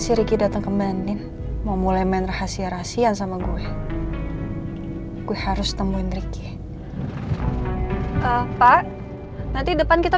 siri datang kemenin mau mulai main rahasia rahasian sama gue gue harus temuin ricky pak nanti depan kita